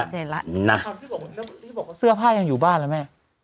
ชัดเจนล่ะน่ะเขาที่บอกเขาที่บอกว่าเสื้อผ้ายังอยู่บ้านแล้วไหม